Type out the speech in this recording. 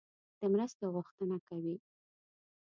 د مرستې غوښتنه کوي.